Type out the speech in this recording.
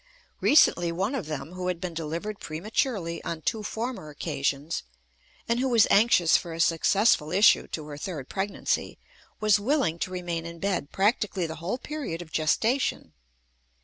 Recently one of them who had been delivered prematurely on two former occasions, and who was anxious for a successful issue to her third pregnancy, was willing to remain in bed practically the whole period of gestation.